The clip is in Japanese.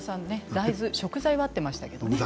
大豆食材はあってましたけどね。